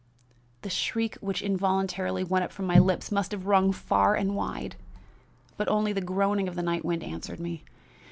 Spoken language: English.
"The shriek which involuntarily went up from my lips must have rung far and wide, but only the groaning of the night wind answered me.